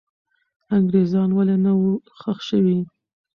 انګریزان ولې نه وو ښخ سوي؟